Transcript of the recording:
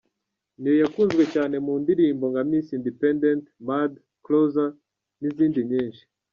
Ne-Yo yakunzwe cyane mu ndirimbo nka Miss Independent, Mad, Closer, n’izindi nyinshi.